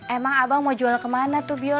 emang abang mau jual kemana tuh bio